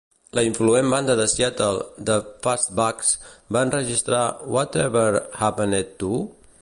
La influent banda de Seattle The Fastbacks va enregistrar Whatever Happened To...?